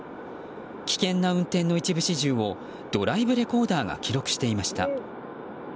危険な運転の一部始終をドライブレコーダーが記録していました。